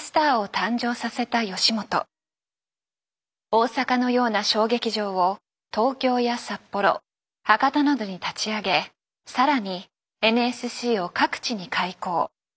大阪のような小劇場を東京や札幌博多などに立ち上げ更にＮＳＣを各地に開校。